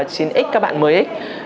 chính ích các bạn mới ích